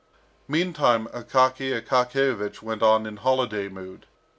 Meantime Akaky Akakiyevich went on in holiday mood.